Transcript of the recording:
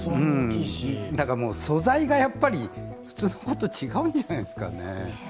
素材がやっぱり普通の子と違うんじゃないですかね。